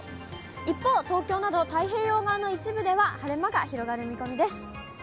一方、東京など太平洋側の一部では晴れ間が広がる見込みです。